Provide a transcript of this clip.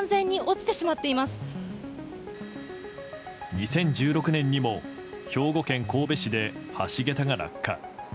２０１６年にも兵庫県神戸市で橋桁が落下。